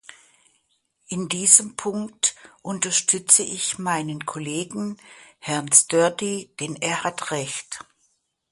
In diesem Punkt unterstütze ich meinen Kollegen, Herrn Sturdy, denn er hat Recht.